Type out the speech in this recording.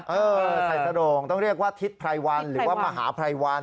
เออใส่สโรงต้องเรียกว่าทิศไพรวันหรือว่ามหาภัยวัน